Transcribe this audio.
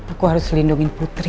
aku harus lindungi putri